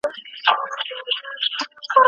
خیر محمد ته د سړک شاوخوا ودانۍ ډېرې لوړې ښکارېدې.